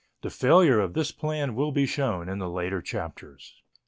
The failure of this plan will be shown in the later chapters.